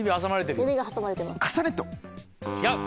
違う。